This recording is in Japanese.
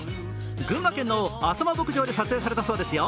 群馬県の浅間牧場で撮影されたそうですよ。